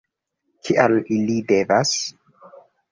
Kial ili devas?